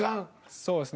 そうですね。